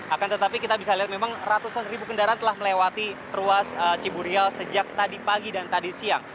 akan tetapi kita bisa lihat memang ratusan ribu kendaraan telah melewati ruas ciburial sejak tadi pagi dan tadi siang